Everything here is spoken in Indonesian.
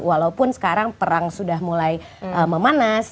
walaupun sekarang perang sudah mulai memanas